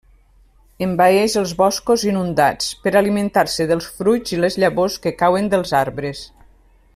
Envaeix els boscos inundats per alimentar-se dels fruits i les llavors que cauen dels arbres.